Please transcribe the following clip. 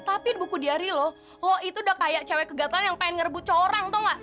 tapi di buku diari lo lo itu udah kayak cewek kegatelan yang pengen ngerebut corang tau gak